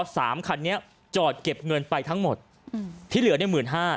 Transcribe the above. สามคันนี้จอดเก็บเงินไปทั้งหมดที่เหลือในหมื่นห้า